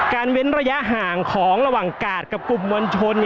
เว้นระยะห่างของระหว่างกาดกับกลุ่มมวลชน